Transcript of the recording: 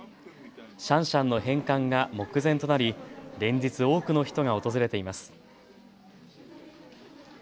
シャンシャンの返還が目前となり連日、多くの人が訪れています。